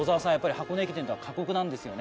箱根駅伝は過酷なんですよね。